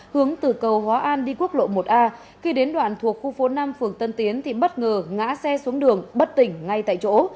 hướng từ cầu hóa an đi quốc lộ một a khi đến đoạn thuộc khu phố năm phường tân tiến thì bất ngờ ngã xe xuống đường bất tỉnh ngay tại chỗ